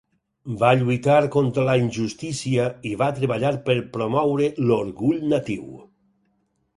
Va lluitar contra la injustícia i va treballar per promoure l'orgull natiu.